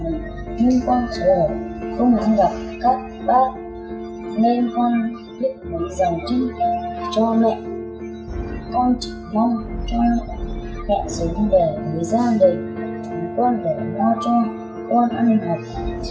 hôm nay nhà bảo vệ nhà mình nhưng con sẽ không gặp các bác nên con viết một dòng tin cho mẹ con chỉ mong cho mẹ dùng về thời gian để chúng con để lo cho con ăn học